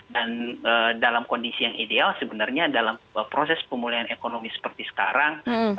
dan dalam kondisi yang ideal sebenarnya dalam proses pemulihan ekonomi seperti sekarang